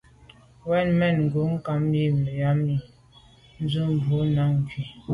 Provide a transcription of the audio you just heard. Wut mèn ghù nkam mi yàme tu, wut, mbu boa nku.